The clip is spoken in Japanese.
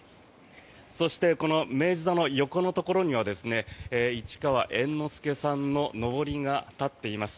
そしてこの明治座の横のところには市川猿之助さんののぼりが立っています。